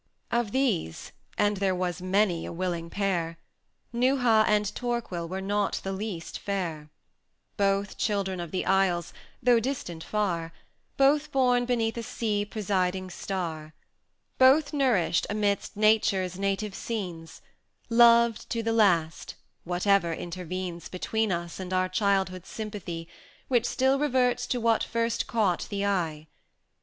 XII. Of these, and there was many a willing pair, Neuha and Torquil were not the least fair: Both children of the isles, though distant far; Both born beneath a sea presiding star; Both nourished amidst Nature's native scenes, Loved to the last, whatever intervenes Between us and our Childhood's sympathy, Which still reverts to what first caught the eye.